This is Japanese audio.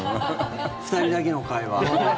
２人だけの会話。